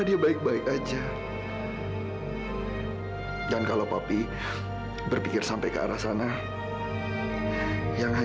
mila kamu ini dulu biar kami tenang